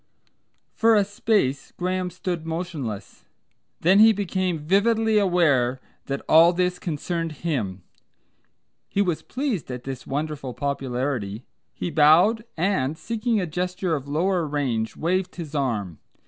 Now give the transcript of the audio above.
For a space Graham stood motionless. Then he became vividly aware that all this concerned him. He was pleased at his wonderful popularity, he bowed, and, seeking a gesture of longer range, waved his arm.